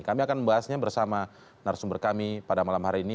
kami akan membahasnya bersama narasumber kami pada malam hari ini